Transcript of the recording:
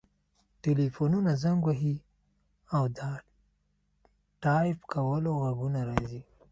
ټیلیفونونه زنګ وهي او د ټایپ کولو غږونه راځي